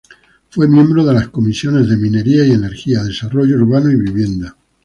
Fue miembro de las comisiones de Minería y Energía, Desarrollo Urbano y Vivienda.